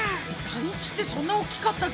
単一ってそんな大きかったっけ？